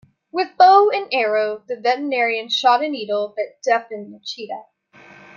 With bow and arrow the veterinarian shot a needle that deafened the cheetah.